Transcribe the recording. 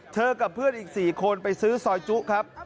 กับเพื่อนอีก๔คนไปซื้อซอยจุครับ